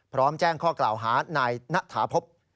พร้อมแจ้งข้อกล่าวหานายณฐาพบ